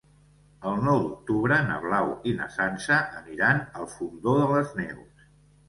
El nou d'octubre na Blau i na Sança aniran al Fondó de les Neus.